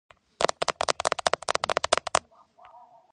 სიმღერა დაიწყო ადგილობრივ ფოლკლორულ ანსამბლში.